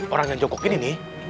orang yang jogok ini nih